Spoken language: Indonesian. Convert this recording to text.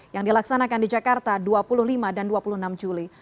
yang dilaksanakan di jakarta dua puluh lima dan dua puluh enam juli